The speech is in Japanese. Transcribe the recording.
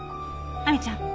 亜美ちゃん